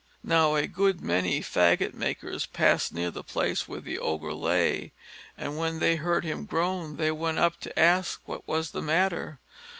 Now a good many faggot makers passed near the place where the Ogre lay; and, when they heard him groan, they went up to ask him what was the matter.